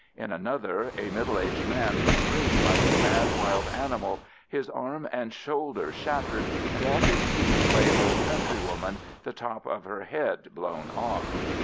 In another, a middle aged man was screaming like a mad wild animal, his arm and shoulder shattered, and at his feet lay an old countrywoman, the top of her head blown off.